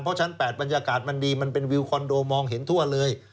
เพราะชั้น๘บรรยากาศมันดีมันเป็นวิวคอนโดมองเห็นทั่วเลย